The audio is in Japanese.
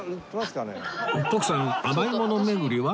徳さん甘いもの巡りは？